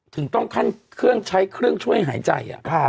ถึงต้องใช้เครื่องช่วยหายใจ